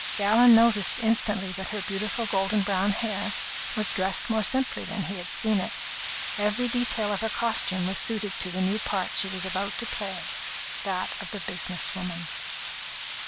Gallon noticed instantly that her beautiful golden brown hair was dressed more simply than he had seen it. Every detail of her costume was suited to the new part she was about to play that of the business woman.